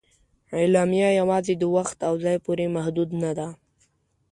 اعلامیه یواځې د وخت او ځای پورې محدود نه ده.